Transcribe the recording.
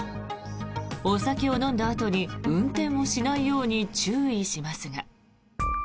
お酒を飲んだあとに運転をしないように注意しますが。